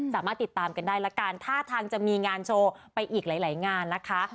สามารถติดตามกันได้ละกันท่าทางจะมีงานโชว์ไปอีกหลายงานนะคะ